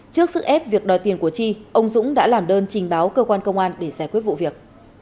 trước sức ép việc đòi tiền của chi ông dũng đã làm đơn trình báo cơ quan công an để giải quyết vụ việc